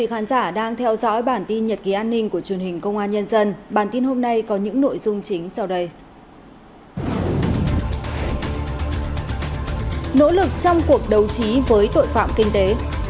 hãy đăng ký kênh để ủng hộ kênh của chúng mình nhé